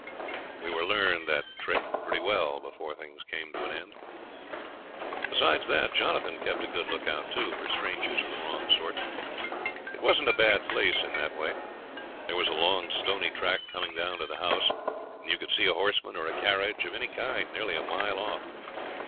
We were learned that trick pretty well before things came to an end. Besides that, Jonathan kept a good look out, too, for strangers of the wrong sort. It wasn't a bad place in that way. There was a long stony track coming down to the house, and you could see a horseman or a carriage of any kind nearly a mile off.